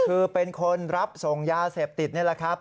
คือเป็นคนรับส่งยาเสพติดนี่แหละครับ